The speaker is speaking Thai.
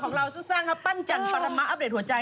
ของเราซึ้งสร้างครับปั้นจันทร์ปรรมะอัปเดตหัวใจ